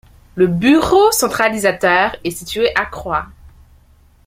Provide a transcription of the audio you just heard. Le bureau centralisateur est situé à Croix.